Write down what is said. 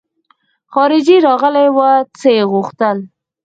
خارجۍ راغلې وه څه يې غوښتل.